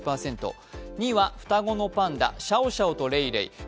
２位は双子のパンダ、シャオシャオとレイレイ。